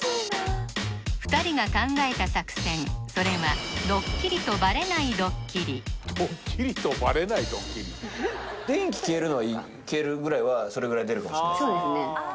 ２人が考えた作戦それは電気消えるぐらいはそれぐらい出るかもしれないですね